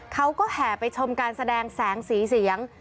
เขาก็แห่ไปชมการแสดงแสงสีเสียง